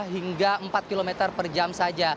dua hingga empat kilometer per jam saja